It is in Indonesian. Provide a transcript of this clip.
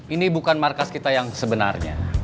ini bukan markas kita yang sebenarnya